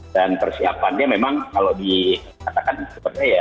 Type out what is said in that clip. dan persiapannya memang kalau dikatakan seperti ya